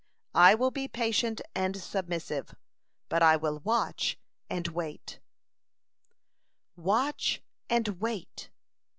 I will be patient and submissive, but I will watch and wait." WATCH AND WAIT!